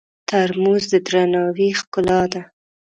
ترموز د درناوي ښکلا ده.